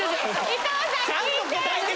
・伊藤さん聞いて！